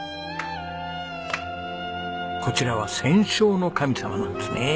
こちらは戦勝の神様なんですね。